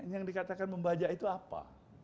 yang dikatakan membajak itu apa